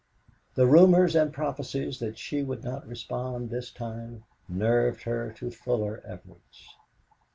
The rumors and prophecies that she would not respond this time nerved her to fuller efforts.